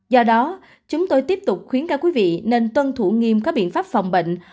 do đó chúng tôi tiếp tục khuyến cáo quý vị nên tuân thủ nghiêm các biện pháp phòng bệnh